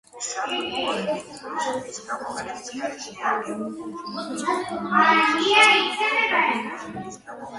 თაღზე ასომთავრული წარწერაა.